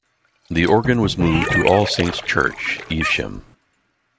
The organ was moved to All Saints Church, Evesham.